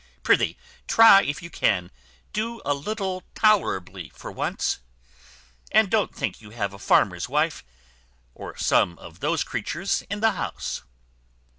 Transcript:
Prithee try if you can do a little tolerably for once, and don't think you have a farmer's wife, or some of those creatures, in the house."